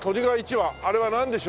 あれはなんでしょうか？